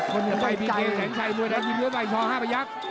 คนหนึ่งใกล้มีเกมสัญชัยมีวิวสายช่อง๕ประยักษณ์